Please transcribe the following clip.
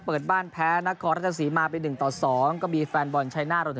เปิดบ้านแพ้นักคอรัฐศาสีมาไป๑ต่อ๒ก็มีแฟนบอลชัยนาศ